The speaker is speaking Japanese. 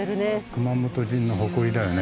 熊本人の誇りだよね